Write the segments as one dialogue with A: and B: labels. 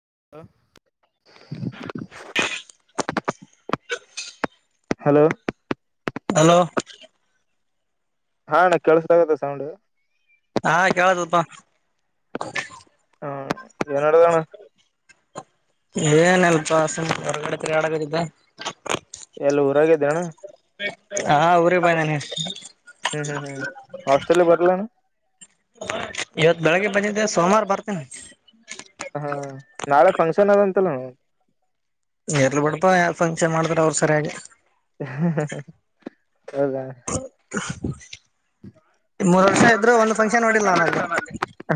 A: ಅ hello
B: hello
A: ಹಾ ಕಲಾಸತಗಹೇಥೆ sounds
B: ಹಾ ಕೇಳದಪ್ಪ
A: ಹಾ ನಡುವನ್ನ
B: ಏನ್ ಎಲ್ಪಾ ಸುಮ್ಮ ಹೊರಗಡೆ ತಿರುಗಡತಿಂನಪ್ಪ
A: ಎಲ್ಲ ಊರಾಗಿದ್ದೇಯಾ
B: ಹಾ ಊರಿಗ್ ಬಂದೇನಿ
A: ಹ್ಮ್ ಹ್ಮ್ ಹ್ಮ್ ಹಾಸ್ಟೆಲಿಗೆ ಬರಲೇನು
B: ಇವತ್ ಬೆಳಗ್ಗೆ ಬಂದಿದ್ದೆ ಸೋಮವಾರ ಬರ್ತೇನಿ
A: ಹ ನಾಳೆ ಫಂಕ್ಷನ್ ಅದಂತಲ್ಲ ಹುಂ
B: ಇರಲಿ ಬಿಡಪ್ಪಾ ಫಂಕ್ಷನ್ ಮಾಡ್ತ್ರ ಅವ್ರು ಸರಿಯಾಗಿ
A: ಹೌದಾ
B: ಮೂರ್ ವರ್ಷ ಇದ್ರರು ಒಂದು ಫಂಕ್ಷನ್ ಮಾಡಿಲ್ಲ ನಾನಲ್ಲಿ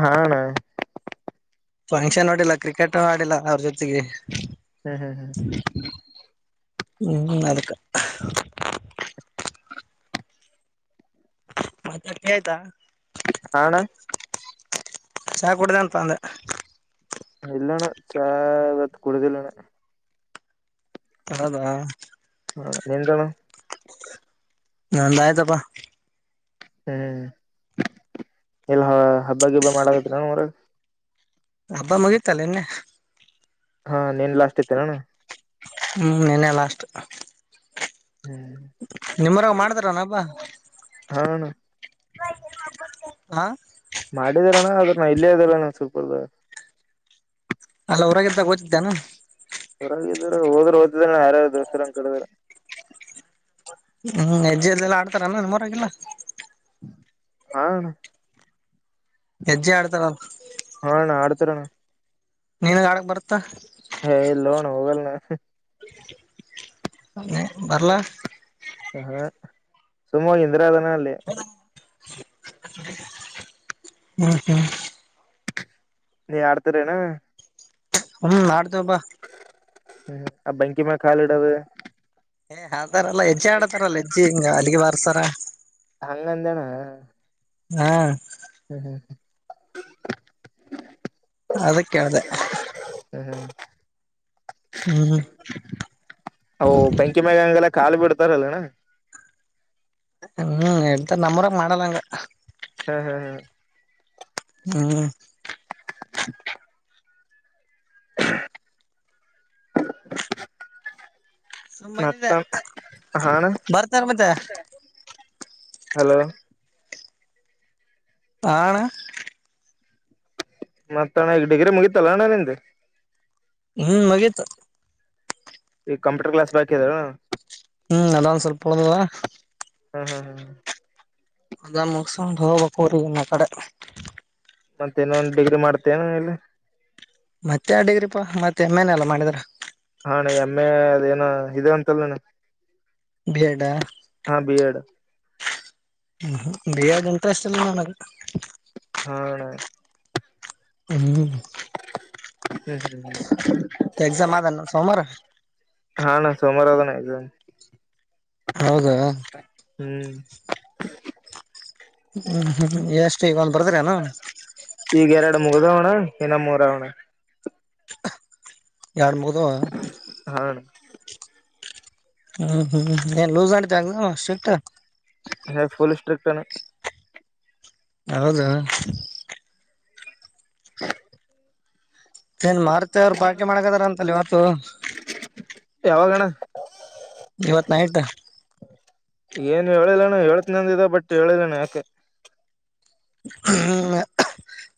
A: ಹಾ ಅಣ್ಣ
B: ಫಂಕ್ಷನ್ ನೋಡಿಲ್ಲ ಕ್ರಿಕೆಟ್ ಹಾಡಿಲ್ಲಾ ಅವ್ರ ಜೊತೆಗೆ
A: ಹ್ಮ್ ಹ್ಮ್ ಹ್ಮ್
B: ಹೂಂ ಹುಂ ಅದಕ್ಕ ಮತ್ತ ಕಥೆಯ್ತಾ
A: ಆಲಾ
B: ಚಾ ಕುಡಿದೆ ಅಂತ ಅಂದೆ
A: ಇಲ್ಲಣ್ಣ ಚಾಗತ್ ಕುಳುದಿಲ್ಲಣ್ಣ
B: ಹೌದಾ
A: ಹ ನಿಲ್ದಾಣ
B: ನಂದಾಯೆತಪ್ಪಾ
A: ಹ್ಮ್ ಎಲ್ಲ ಹಬ್ಬ ಗಿಬಾ ಹಬ್ಬ ಮಾಡಕಾತ್ರ
B: ಹಬ್ಬ ಮುಗೀತಾ ನೆನ್ನೆ
A: ಹಾ ನೆನ್ನೆ ಲಾಸ್ಟ್ ಇತ್ಯ
B: ಹುಂ ನೆನ್ನೆ ಲಾಸ್ಟ್
A: ಹ್ಮ್
B: ನಿಮ್ಮೂರಿನಾಗೆ ಮಾಡತಾರನ ಹಬ್ಬ
A: ಹಾ ಅಣ್ಣ
B: ಹಾ
A: ಮಾಡಿದಾರಣ್ಣ ಅದಕ್ಕೆ ನಾನ್ ಇಲ್ಲೇ ಇದರಾಣ್ಣ ಸೂಪರ್ ರಾ
B: ಅಲ್ಲ ಹೊರಗಿದಾಗ ಓತಿದ್ದಾನು
A: ಹೊರಾಗಿದ್ರ ಹೋದ್ರೆ ಓದತಿದ ಯಾರ ದಸರ ಅಂತ ಹೇಳದೆ
B: ಹುಂ ಹೆಜ್ಜೆಲ್ಲೆಲ್ಲಾ ಆಕ್ತರ ಆಮೇಲೆ ನಮ್ಮೂರಲ್ಲಿ ಇಲ್ಲ
A: ಹ
B: ಹೆಜ್ಜಿ ಆಡ್ತರ
A: ಹಾ ಅಣ್ಣ ಆಡ್ತಾರಣ್ಣ
B: ನಿನಿಗ ಆಡಕ್ ಬರತ್ತ
A: ಹೇ ಇಲ್ಲೋ ಅಣ್ಣ ಹೋಗಲ್ ನಾ
B: ಮ ಬರ್ಲ
A: ಹ ಸುಮ್ಮೋಗ ನಿಂದ್ರದ ಅಣ ಅಲ್ಲಿ
B: ಮತ
A: ನೀ ಆಡ್ತೀರೇನ
B: ಹ್ಮ್ ನಾಡ್ತ ಬಾ
A: ಹ್ಮ್ ಆ ಬೆಂಕಿಮ್ಯಾಲ ಹಾಲಿಡದು
B: ಏ ಹಾತರಲ್ಲಾ ಹೆಜ್ಜಿ ಆಡತಾರಲ್ಲ ಹೆಜ್ಜಿ ಹಿಂಗ ಹಲ್ಲಿಗಿ ಬಾರಸರ
A: ಹಂಗಂದೇಣ
B: ಹಾ
A: [unintelligible]
B: ಅದ ಕೇಳ್ದೆ
A: ಓ ಬೆಂಕಿಮ್ಯಾಲಂಗಲ ಕಾಲೀ ಬಿಡ್ತಾರಲ್ಲಣ್ಣ
B: ಹ್ಮ್ ಹೇಳ್ತ ನಮ್ಮುರಾಗ ಮಾಡಲ್ಲಂಗ
A: ಹ್ಮ್ ಹ್ಮ್ ಹ್ಮ್
B: ಹ್ಮ್
A: [unintelligible] [unintelligible]
B: ಸುಮ್
A: ಮತ್ತ
B: ಬಂದಿದ್ದೆ
A: ಹಾಣ
B: ಬರ್ತಾರ ಮತ್ತೆ
A: ಹಲೋ
B: ಹಾ ಅಣ್ಣ
A: ಮತ್ತ ಅಣ್ಣ ಇಲ್ ಡಿಗ್ರಿ ಮುಗಿತಲ್ಲ ಅಣ್ಣ ನಿಂದ
B: ಹ್ಮ್ ಮುಗಿತು
A: ಈ ಕಂಪ್ಯೂಟರ್ ಕ್ಲಾಸ್ ಬಾಕಿ ಅ
B: ಹ್ಮ್ ಅದ ಒನ್ ಸ್ವಲ್ಪ ಉಳದದ
A: ಹ್ಮ್ ಹ್ಮ್ ಹ್ಮ್ ಹ್ಮ್
B: ಅದೊದು ಮುಸಕೊಂಡು [unintelligible] ಆ ಕಡೆ
A: ಮತ್ತ ಇನ್ನ ಒಂದು ಡಿಗ್ರಿ ಮಾಡ್ತೇನು ಇಲ್ಲಿ
B: ಮತ್ತೆ ಆ ಡಿಗ್ರಿ ಪಾ ಮತ್ತೆ ಎಮ್ ಎನ್ ಎಲ್ಲ ಮಾಡಿದ್ರ
A: ಹಾಾನ ಎಮ್ಮೆ ಅದ ಏನ ಇ ಅಂತಲ್ಲ ನಣ
B: ಬಿ ಎಡ್
A: ಹಾ ಬಿ ಎಡ್
B: ಹ್ಮ ಬಿ ಇಂಟ್ರೆಸ್ಟ್ ಅಲ್ಲ ನನಗೆ
A: ಹಾ
B: ಹದು
A: ಹ್ಮ ಹ್ಮ್
B: ಎಕ್ಸಾಮ್ ಆದನ
A: ಹ್ಮ
B: ಸೋಮವಾರ
A: ಹಾ ನ ಸೋಮಾರದನಮ
B: ಹೌದಾ
A: ಹ್ಮ್
B: ಹ್ಮ್ ಹ್ಮ್ ಎಷ್ಟ ಇವಾಗ್ ಬರದ್ರೆನು
A: ಈಗ ಎರಡ ಮುಗ್ದವಣ ಇನ್ನ ಮೂರವಣ
B: ಎಡ ಮುಗ್ದವ
A: ಹಾ ಅಣ್ಣ
B: ಹ್ಮ್ ಹ್ಮ್ ಹ್ಮ್ ಏನ್ ಲೂಸ್ ನಡೀತದ ಏನ್ ಸ್ಟ್ರಿಕ್ಟ್
A: ಹೇ ಫುಲ್ ಸ್ಟ್ರಿಕ್ಟ್ ಏನ್
B: ಹೌದು ಏನ್ ಮಾರ್ತರ ಪಾಕಿ ಮಾಡಕತಾರ ಅಂತಲ್ಲ ಇವತ್ತು
A: ಯಾವಾಗಣ್ಣ
B: ಇವತ್ ನೈಟ್
A: ಏನು ಹೇಳಿಲ್ಲಣ ಹೇಳ್ತ್ನಂದಿದೆ ಬಟ್ ಹೇಳಿಲ್ಲಣ ಯಾಕೆ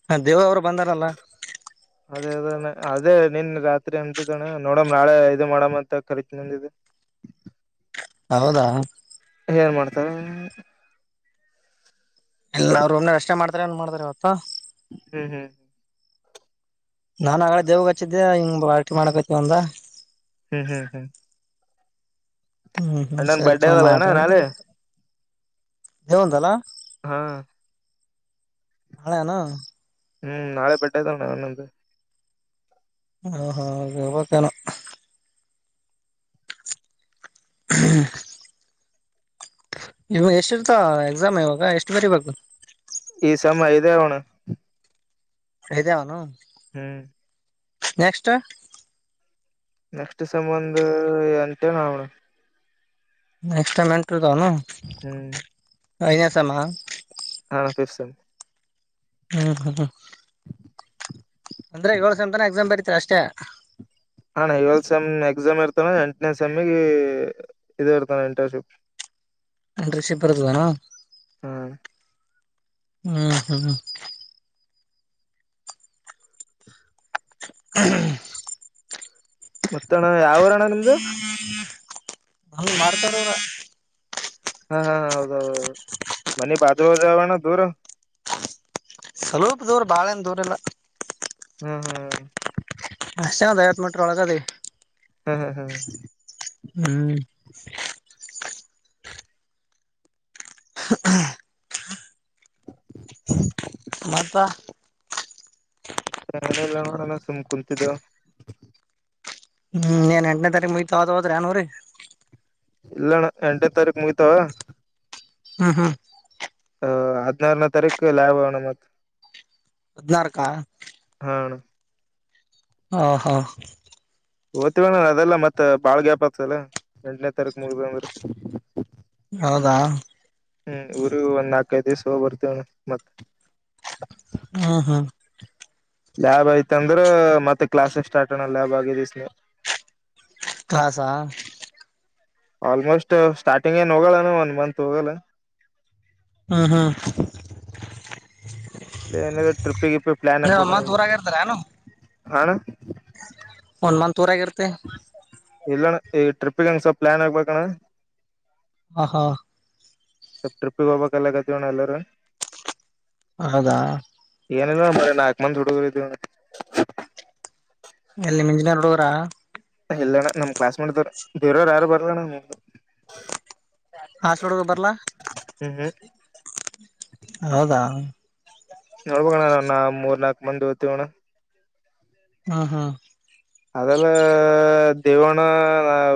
B: ಹ್ಮ ದೇವ ಅವರು ಬಂದಾರಲ್ಲ
A: ಅದೇ ಅ ಅದೇ ನಿನ್ ರಾತ್ರಿ ಎ್ದದ್ದಣ್ಣ ನೋಡಮ ನಾಳೆ ಇದು ಮಾಡಮ್ ಅಂತ ಕರಿತು ನಂದೆ
B: ಹೌದಾ
A: ಏನ್ ಮಾಡ್ತಾರ
B: ಎಲ್ಲರು ಒ್ನೆ ರಷ್ಟೆ ಮಾಡ್ತಾರೆ ಏನ್ ಮಾಡ್ತಾರೆ ಇವತ್ತು
A: ಹ್ಮ್ ಹ್ಮ್ ಹ್ಮ್
B: ನಾನ್ ಆಗ ದೇವ್ಗ್ ಹಚ್ಚಿದ್ದೆ ಹಿಂಗ್ ಬಾರಟಿ ಮಾಡಕತವಂದ
A: ಹ್ಮ್ ಹ್ಮ್ ಹ್ಮ್
B: ಹ್ಮ್ ಹ್ಮ್
A: ಅಣ್ಣನ್
B: ಸರಿ
A: ಬರ್ಡೇ
B: ತೊ
A: ಅದಲ್ಲ
B: ಮಾ
A: ಅಣ್ಣ ನಾಳೆ
B: ದೇಂತಲ್ಲಾ
A: ಹಾ
B: ಹಳೆನ
A: ಹ್ಮ್ ನಾಳೆ ಬಟ್ಟೆತಣನ್ನ್
B: ಹ ಹಾ ಬಕಾನ ಹ ಇವ ಎಷ್ಟ ಇರ್ತ ಎಕ್ಸಾಮ್ ಇವಾಗ ಎಷ್ಟು ಬರಿ ಬು
A: ಈ ಸಮಯ ಇದೆ ಅವನು
B: ಇದ ಅವನು
A: ಹ್ಮ್
B: ನೆಕ್ಸ್
A: ನೆಕ್ಸ್ಟ್ ಸಂಂದ ಎಂತ ನ್ರ [inaudible]
B: ಎಕ್ಸ್ಟ್ರಾ ಮೆಂಟರುತಾವನು
A: ಹ್ಮ್
B: ನಸಾಮ
A: ಹಾ ರ್ಸ
B: ಹ್ಮ್ ಹ್ಮ ಅಂದ್ರೆ ಏಳು ಸೆಂ ತನ ಎಕ್ಸಾಮ್ ಬರೀತರಿ ಅಷ್ಟೇ
A: ಹಣ ಲ್ ಸೆಮ್ ಎಕ್ಸಾಮ್ ಇರ್ತಾನ ಎಂಟನೇ ಸೆಮ ಇ ಇರ್ತಾನೆ ಇಂಟರ್ನ್ಶಿಪ್
B: ಅಂಡ್ರಷಿಪ್ ಬರ್ದವಾನ
A: ಹ್ಮ್
B: ಹ್ಮ್ ಹ್ಮ್ ಹ್ಮ
A: ಮತ್ತ ಅಣ್ಣ ಯಾವರ ಅಣ್ಣ ನಿಮ್ದು
B: ಹ ಬಾರತನ
A: ಹಾ ಹಾ ಹೌದೌದುೌ ಮನಿ ಬಾಜು ಜಾವಣ ದೂರ
B: ಸ್ವಲ್ಪ ದೂರ ಬಾಳಏನ್ ದೂರಲ್ಲ
A: ಹ್ಮ ಹಾ
B: ಹ ಚದಐವತ್ ಮಂಟ್ರ ಒಳಗದ
A: ಹ್ಮ್ ಹ್ಮ್ ಹ್ಮ
B: ಹ್ಮ್ ಹಾ ಮದ
A: ಮತ್ತೆ ಏನಲ್ಲ ನೋಡಲ್ಲ ಸುಮ್ಮ್ ಕುಂತಿದ್ದೇವು
B: ಹ್ಮ್ ಏನ್ ಎಂಟನೇ ತಾರೀಕು ಮುಯ್ತ ಹದ ಹೋದ್ರಿ ಏನೂರಿ
A: ಇಲ್ಲಣ್ಣ ಎಂಟೇ ತಾರೀಕ ಮುಗತಾವ
B: ಹ್ಮ್ ಹ್ಮ್
A: ಅ ಅನರ ನ ತಾರಕ ಕ ಲಾವಾವನ ಮತ
B: ಅಲ್ಲಾರಕ್ಕಾ ಹ ಹಾ
A: ಓದ್ತಿವ ನನ್ ಅದೆಲ್ಲ ಮತ್ತತ್ ಬಾಳ್ ಗ್ಯಾಪ್ ಆಗ್ತಲ್ಲ ಎಂಟನೇ ತಾರೀಕ ಮುಗ್ದ ಅಂದ್ರ
B: ಹೌದಾ
A: ಹ್ಮ್ ಊರಿ ಒಂದ್ ನಾಲ್ಕದು ದಿವ್ಸ ಹೋಗ ಬರ್ತೇವಣ ಮತ್ತತ್
B: ಹಾ ಹಾ
A: ಲ್ಯಾಬ್ ಐ್ತಂದ್ರ ಮತ್ತೆ ಕ್ಲಾಸ್ ಸ್ಟಾರ್ಟ್ ಅಣ್ಣ ಲ್ಯಾಬ್ ಆಗಿದ ಸ್ ನೀ
B: ಪಾಸ್ಹ್
A: ಆಲ್ಮೋಸ್ಟ್ ಸ್ಟಾರ್ಟಿಂಗ್ ಏನ್ ಹೋಗಲ್ಲಾನ ಒಂದ ಮಂತ್ ಹೋಗಲ್ಲ
B: ಹ್ಮ ಹ್ಮ್
A: ಇನ ಟ್ರಿಪ್ಪಿಗೆ ಪ್ಲಾನ್
B: ನೀವ್
A: ಹಾಕ್ಬೇಕ
B: ಒಂದ್ ಮಂತ್
A: ಅಣ್ಣ
B: ಊರಾಗ ಇರ್ತಾರ ಏನು
A: ಹಣ್ಣ
B: ಒನ್ ಮಂತ್ ಊರಾಗ ಇರತ್ತಿ
A: ಇಲ್ಲಣ್ಣ ಈ ಟ್ರಿಪ್ಪಿಗೆ ಹಂಗ್ಸ ಪ್ಲಾನ್ ಆಗ್ಬೇಕಣ್ಣ
B: ಹಾ ಹಾ
A: ಸಲ್ ಟ್ರಿಪ್ಪಿಗೆ ಹೋಗಬೇಕಕ್ಲ್ಲ ಕತಿವಣ ಎಲ್ಲರ
B: ಹೌದಾ
A: ಏನಿಲ್ಲ ಬಾರೆ ಒಂದ್ ನಾಕ್ ಮಂದಿ ಹುಡುಗುರ್ ಇದೀವಿಣ್ಣ
B: ಎಲ್ಲಿ ನಿಮ್ಮ್ ಇಂಜಿನಿಯರ್ ಹಡುಗುರ
A: ಇಲ್ಲಣ್ಣ ನಮ್ ಕ್ಲಾಸ್ ಮೆಟ್ವರು ಬೇವರವರು ಯಾರು ಬರ್ಲಣ್ಣ
B: ಹಾಸ್ಪಟ್ ಬರ್ಲಾ
A: ಹ್ಮ್
B: ಹೌದಾ
A: ನೋಡ್ಬಣ್ಣ ನ ಮೂರ್ ನಾಲ್ಕ್ ಮಂದಿ ಒಯ್ತಿವಿನ್ನ
B: ಹಾ ಹಾ
A: ಅದೆಲ್ಲ ದೇವಣ್ಣ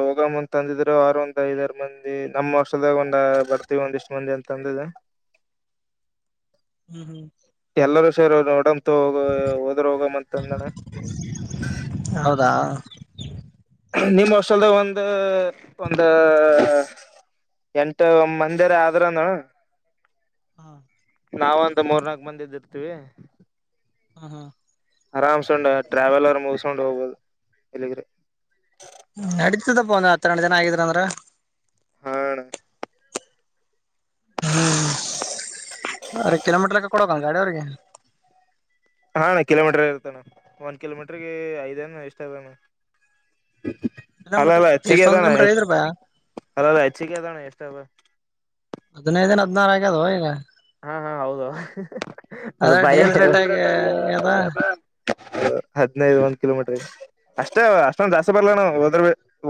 A: ಹೋಗಮ್ಮಂತ ಅಂದಿದ್ರು ಆರ ಒಂದ್ ಐದಾರು ಮಂದಿ ನಮ್ಮ್ ವರ್ಷದಾಗ ಒಂದ್ ಬರ್ತೀವಿ ಅಂದಿದ್ರು ಇಷ್ಟು ಮಂದಿ ಅಂತ ಅಂದ್ರಿದೆ
B: ಹ್ಮ್ ಹ್ಮ್
A: ಎಲ್ಲರೂ ಸರ್ ನೋಡಂತ ಹೋಗ ಹೋದರು ಹೋಗಮ್ಮಂತ ಅಂದಣ
B: ಹೌದಾ
A: ನಿಮ್ ಹಾಸ್ಟೆಲ್ ಒಂದು ಒಂದ ಎಂಟ ಮಂದಿರ ಆದ್ರನು
B: ಹಾ
A: ನಾವ ಒಂದು ಮೂರ್ನಾಕ ಮಂದಿ ಇದ್ದಿ ಇರ್ತೀವಿ
B: ಹಾ ಹಾ
A: ಆರಂಸೊಂದ್ ಟ್ರಾವೆಲ್ಲೆರ್ ಅವರ್ ಮುಗಿಸಸ್ಕೊಂಡ್ ಹೋಗ್ಬೋದು ಎಲ್ಲಿಗ್ರೆ
B: ನಡಿತತದಪ್ಪ ಒಂದ ಹತ್ತರಡು ಜನ ಆಗಿದ್ರ ಅಂದ್ರ
A: ಹಾ ಅಣ್ಣ
B: ಹ್ಮ್ ಹಾ ಕಿಲೋಟರಲೆಕ್ಕ ಕೊಡಕಣ ಗಾಡಿಯ ಅವ್ರಿಗೆ
A: ಹಾ ಅಣ್ಣ ಕಿಲೋಮೀಟರ್ ಇರ್ತೇಣ್ಣ ಒಂದ್ ಕಿಲೋಮೀಟರ್ಗೆ ಐದೇನು ಎಷ್ಟಣ
B: ಕಿಲೋಮೀಟರ್
A: ಅಲ್ಲಲ್ಲ ಹೆಚ್ಚಿಗೆ
B: ಎಷ್ಟೊಂದ್
A: ಅದಾನ
B: ಕಿಲೋಮೀಟರ್ ಐದ್ರೂಪ
A: ಅಲ್ಲಲ್ಲ ಹೆಚ್ಚಿಗೆ ಅದಣ ಎಷ್ಟಲ್ಲ
B: ಹದಿನೈದಿನ ಹದಿನಾರು ಆಗ್ಯ ಅದ ಈಗ
A: ಹಾ ಹಾ ಹೌದು
B: ಅದ
A: ಅದು ಭಯ
B: ಡೀಸೆಲ್ ರೇಟ್ ಆಗಿ ಅದ
A: ಹದಿನೈದು ಒಂದು ಕಿಲೋಮೀಟರ್ಗೆ ಅಷ್ಟೇ ಅಷ್ಟೊಂದ್ ಜಾಸ್ತಿ ಬರ್ಲ ನ ಹೋದ್ರ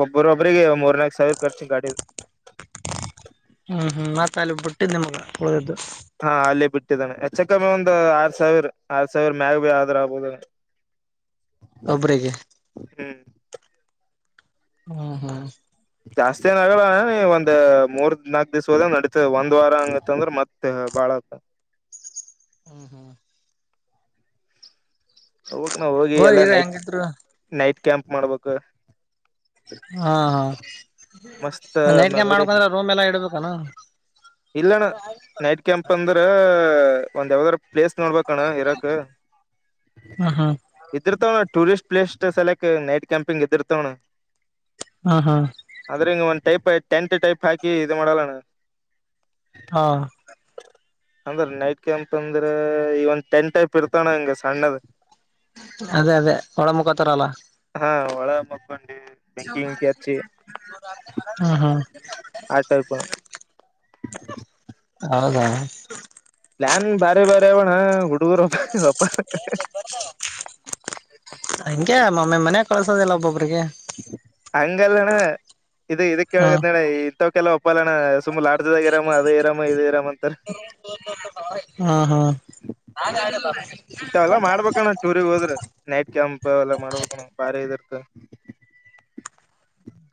A: ಒಬ್ಬ್ರೊಬ್ರಿಗೆ ಮೂರನಾಲ್ಕ್ ಸಾವಿರ ಖರ್ಚ ಗಾಡಿ [inaudible]
B: ಒಳ್ಳೇದು
A: ಹಾ ಅಲ್ಲೇ ಬಿಟ್ಟಿದ್ದಾನೆ ಹೆಚ್ಚಕಮ್ಮಿ ಒಂದು ಆರ್ ಸಾವಿರ ಆರ್ ಸಾವಿರ ಮ್ಯಾಗನೇ ಆದ್ರ ಆಗ್ಬಹುದು [inaudible]
B: ಒಬ್ರರಿಗೆ -ಹ್ಮ ಹ್ಮ್
A: ಜಾಸ್ತಿ ಏನ ಆಗಲ್ಲ ಒಂದ್ ಮೂರ್ ನಾಕ್ ದಿವ್ ಹೋದ ನಡಿತತದ ಒಂದ್ ವಾರ ಅಂಗಂತಂದ್ರ ಮತ್ತತ್ ಬಾಳ [inaudible]
B: ಹ್ಮ
A: ಹೋಗಕ್ ನಾ ಹೋಗಿ
B: ಹೋರಿ
A: ಎಲ್ಲಾ
B: ಈಗ
A: ನೈಟ್
B: ಹೆಂಗಿದ್ರು
A: ನೈಟ್ ಕ್ಯಾಂಪ್ ಮಾಡ್ಬೇಕು
B: ಹಾ
A: ಮಸ್ತ್
B: ಹಾ ನೈಟ್ಗೆ ಕ್ಯಾಂಪ್ ಮಾಡ್ಕಂದ್ರೆ ರೂಮ್ ಎಲ್ಲಾ ಇಡ್ಬೇಕಾನ
A: ಇಲ್ಲಣ್ಣ ನೈಟ್ ಕ್ಯಾಂಪ್ ಅಂದ್ರ ಒಂದ್ ಯಾವ್ದಾರ ಪ್ಲೇಸ್ ನೋಡ್ಬೇಕಣ್ಣ ಇರಕ್
B: ಹ್ಮ್ ಹ್ಮ್
A: ಇದ್ರತ tourist places select night camping ಇದ್ದಿರ್ತವಣ
B: ಹಾ ಹಾ
A: ಟೈಪ್ ಟೆಂಟ್ ಟೈಪ್ ಹಾಕಿ ಇದು ಮಾಡಲ್ಲಣ್ಣ
B: ಹಾ
A: ಅಂದ್ರ ನೈಟ್ ಕ್ಯಾಂಪ್ ಅಂದ್ರೆ ಈ ಒಂದ್ ಟೆಂಟ್ ಟೈಪ್ ಇರ್ತ
B: ಅದೇ ಅದೇ ಒಳ ಮುಖಾ ತರಲ್ಲ
A: ಹಾ ಒೆ ಮ
B: ಹಾ ಹಾ
A: ಆ ಟೈಪ್
B: ಹೌದಾ
A: ನ್ ಬಾರೆ ಬಾರೆ ಅವಣ ಹುಡುಗರು ಸೊಪ್ಪ
B: ನಿಂಗೆ ಮಮ್ಮೆ ಮನ ಕಳಸೋದೆಲ್ಲ ಹಬ್ಬ
A: ಹಂಗಲ್ಲಣ್ಣ ಇದ
B: ಹ್ಮ್
A: ಕೇಳಗದನಣ ಇಂಥ ಕೆಲವ ಬಾಲಣ ಸುಂಬ ಲಾಡ್ಜದಾಗ ಇರಾಮ ಅದೇ ಇರಾಮ ಇದೇ ಇರಾಮ ಅಂತಾರ
B: ಹ್ಮ್ ಹ್ಮ್
A: ಎಂತಾವೆಲ್ಲ ಮಾಡ್ಬೇಕಣ್ಣ ಟೂರಿಗೆಗ್ ಹೋದ್ರ ನೈಟ್ ಕೆಂಪು ಎಲ್ಲ ಮಾಡ್ಬೇಕಣ್ಣ ಬಾರಿ ಇರುತ್ತೆ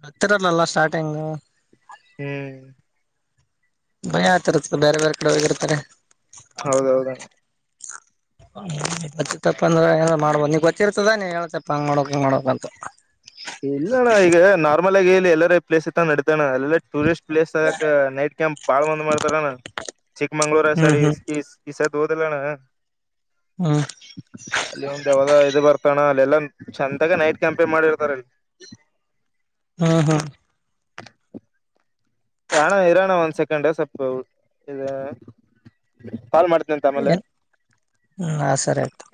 B: ಹತ್ತಿರಲ್ಲಲ್ಲ ಸ್ಟಾರ್ಟಿಂಗ್
A: ಹ್ಮ್
B: ಮಯ ಆತ ಇತ್ತ ಬೇರೆ ಬೇರೆ ಕಡೆ ಹೋಗಿರ್ತಾರೆ
A: ಹೌದೌದ
B: ತಪ್ಪಂದ್ರ ಮಾಡ್ಬೋದು ನೀಗೊತ್ತಿರ್ತದಾನ ಹೇಳ್ತಪ್ಪ ಹಂಗ ಮಾಡಕ ಹಂಗ ಮಾಡಕ್ಂತ
A: ಇಲ್ಲ ಅಣ್ಣ ಈಗ ನಾರ್ಮಲ್ ಆಗಿ ಇಲ್ಲಿ ಎಲ್ಲಾರ ಪ್ಲೇಸ್ ಇತ್ತ ನಡತಣ್ಣ ಎಲ್ಲ ಟೂರಿಸ್ಟ್ ಪ್ಲೇಸ್ ತದಕ ನೈಟ್ ಕ್ಯಾಂಪ್ ಬಾಳ್ ಒಂದ್ ಮಾಡ್ತಾರ ಚಿಕ್ಕಮಂಗ್ಳೂರ್ ಸೈ
B: ಹ್ಮ್ ಹ್ಮ್
A: ಈ ಸ ನೋದಿಲ್ಲಣ್ಣ
B: ಹ್ಮ್
A: ಅಲ್ಲಿ ಒಂದ ಯಾವದ ಇದು ಬರ್ತಾನ ಇಲ್ಲ ಚಂದಾಗ ನೈಟ್ ಕ್ಯಾಂಪಿಂಗ್ ಮಾಡಿರ್ತಾರೆಲ್ಲಿ
B: ಹ್ಮ್ ಹ್ಮ್
A: ಹಣ ಇರೋಣ ಒಂದ್ ಸೆಕೆಂಡ್ ಸ್ವಲ್ಪ ಪಾಲ್ ಮಾಡತ
B: ಏನ್ ಹ್ಮ ಆ ಸರಿ ಆಯ್ತು